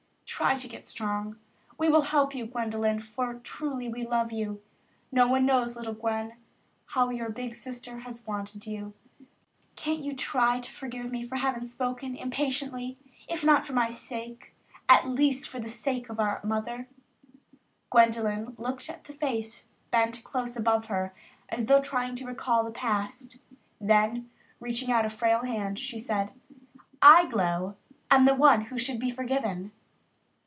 Try to get strong. We will help you, Gwendolyn, for truly we love you. No one knows, little Gwen, how your big sister has wanted you. Can't you try to forgive me for having spoken impatiently, if not for my sake, at least for the sake of our mother?" Gwendolyn looked at the face bent close above her as though trying to recall the past. Then, reaching out a frail hand, she said, "I, Glow, am the one who should be forgiven."